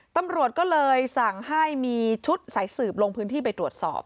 ตำรวจก็เลยสั่งให้มีชุดสายสืบลงพื้นที่ไปตรวจสอบ